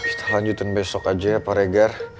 kita lanjutin besok aja ya pak regan